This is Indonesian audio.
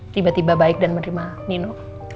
tiba tiba baik dan menerima nino